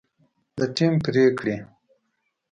د ټیم پرېکړې